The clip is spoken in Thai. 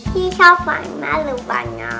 ชี้ชอบหวานมากหรือหวานน้อย